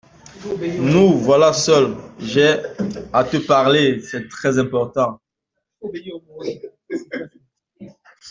Nous voilà seuls, j’ai à te parler ; c’est très important.